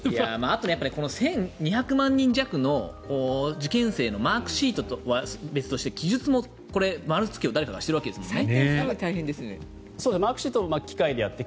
あとやっぱり１２００万人弱の受験生のマークシートは別として記述もこれ、丸つけを誰かがしているわけですもんね。